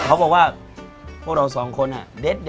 เขาบอกว่าพวกเราสองคนเด็ด